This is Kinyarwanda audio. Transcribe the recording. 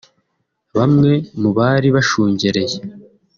Bamwe mu bari bashungereye